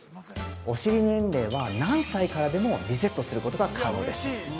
お尻年齢は何歳からでも、リセットすることが可能です。